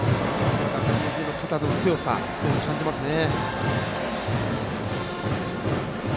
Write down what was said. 平田君も肩の強さを感じますね。